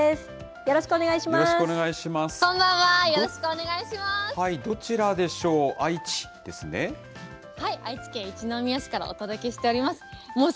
よろしくお願いします。